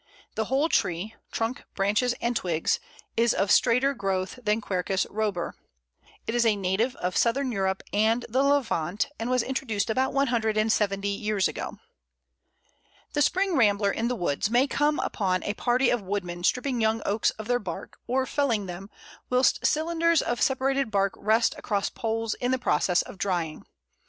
The whole tree trunk, branches, and twigs is of straighter growth than Quercus robur. It is a native of Southern Europe and the Levant, and was introduced about one hundred and seventy years ago. The spring rambler in the woods may come upon a party of woodmen stripping young Oaks of their bark, or felling them, whilst cylinders of separated bark rest across poles in the process of drying.